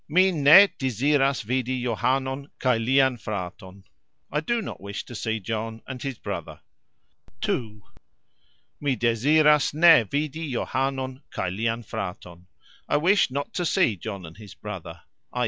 "Mi ne deziras vidi Johanon kaj lian fraton", I do not wish to see John and his brother. (ii.). "Mi deziras ne vidi Johanon kaj lian fraton", I wish not to see John and his brother, "i.